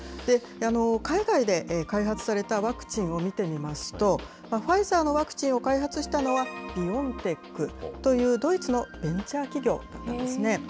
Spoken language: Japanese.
海外で開発されたワクチンを見てみますと、ファイザーのワクチンを開発したのは、ビオンテックというドイツのベンチャー企業だったんですね。